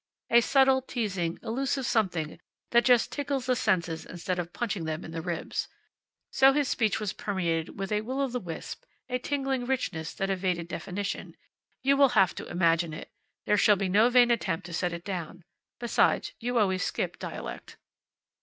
A subtle, teasing, elusive something that just tickles the senses instead of punching them in the ribs. So his speech was permeated with a will o' the wisp, a tingling richness that evaded definition. You will have to imagine it. There shall be no vain attempt to set it down. Besides, you always skip dialect.